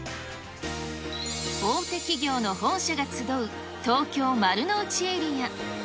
大手企業の本社が集う東京・丸の内エリア。